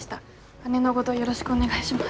姉のごどよろしくお願いします。